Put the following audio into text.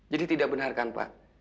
jadi tidak benarkan pak